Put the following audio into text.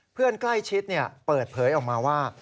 เพื่อนใกล้ชิดเปิดเผยออกมาว่า